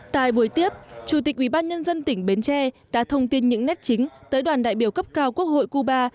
tại buổi tiếp chủ tịch ubnd tỉnh bến tre đã thông tin những nét chính tới đoàn đại biểu cấp cao quốc hội cuba